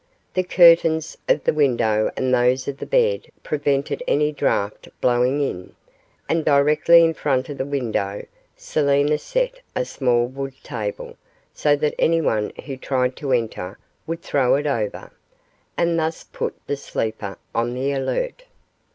The curtains of the window and those of the bed prevented any draught blowing in; and directly in front of the window, Selina set a small wood table, so that anyone who tried to enter would throw it over, and thus put the sleeper on the alert.